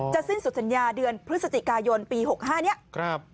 อ๋อจะสิ้นสัญญาเดือนพฤศจิกายนปี๖๕เนี่ยครับ